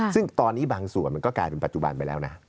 ซึ่งตอนนี้บางส่วนมันก็กลายเป็นปัจจุบันไปแล้วนะ